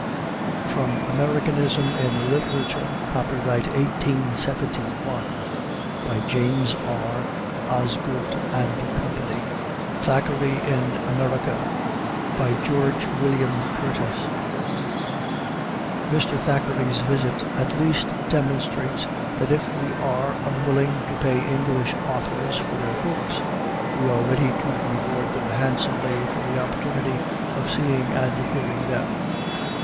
[From Americanism in Literature. Copyright, 1871, by James R. Osgood & Co.] THACKERAY IN AMERICA GEORGE WILLIAM CURTIS Mr. Thackeray's visit at least demonstrates that if we are unwilling to pay English authors for their books, we are ready to reward them handsomely for the opportunity of seeing and hearing them.